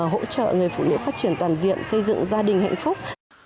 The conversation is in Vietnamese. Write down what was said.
hỗ trợ người phụ nữ phát triển toàn diện xây dựng gia đình hạnh phúc